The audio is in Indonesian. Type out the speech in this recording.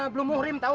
belum muhrim tau